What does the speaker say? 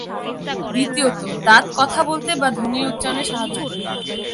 দ্বিতীয়ত, দাঁত কথা বলতে বা ধ্বনির উচ্চারণে সাহায্য করে।